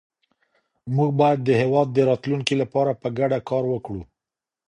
موږ بايد د هېواد د راتلونکي لپاره په ګډه کار وکړو.